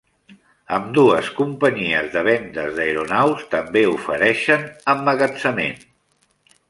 Ambdues companyies de vendes d'aeronaus també ofereixen emmagatzemament.